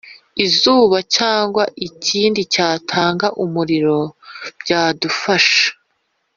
izuba cyangwa ikindi cyatanga umuriro byadufasha